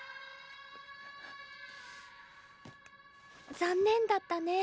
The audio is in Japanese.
残念だったね。